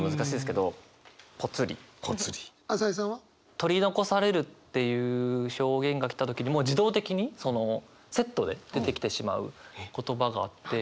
「取残される」っていう表現が来た時にもう自動的にセットで出てきてしまう言葉があって。